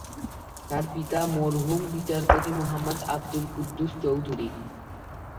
তার পিতা মরহুম বিচারপতি মোহাম্মদ আবদুল কুদ্দুস চৌধুরী।